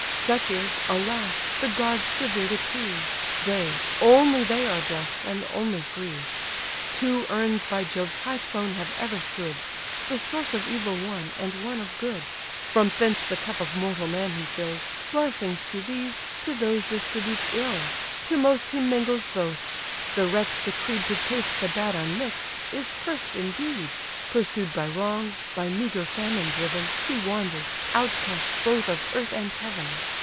Such is, alas! the gods' severe decree: They, only they are blest, and only free. Two urns by Jove's high throne have ever stood, The source of evil one, and one of good; From thence the cup of mortal man he fills, Blessings to these, to those distributes ill; To most he mingles both: the wretch decreed To taste the bad unmix'd, is cursed indeed; Pursued by wrongs, by meagre famine driven, He wanders, outcast both of earth and heaven.